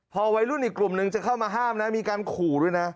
พอวัยรุ่นอีกกลุ่มนึงจะเข้ามาห้ามนะมีการขู่ด้วยนะ